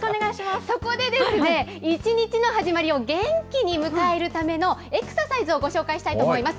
そこでですね、一日の始まりを元気に迎えるためのエクササイズをご紹介したいと思います。